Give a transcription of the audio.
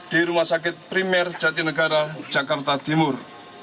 di rumah sakit primer jatinegara jakarta timur